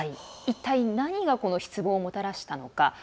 一体何が失望をもたらしたのか。